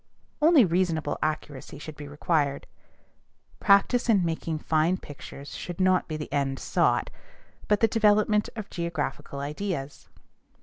Only reasonable accuracy should be required. Practice in making fine pictures should not be the end sought, but the development of geographical ideas.